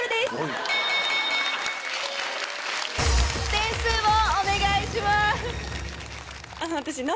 点数をお願いします。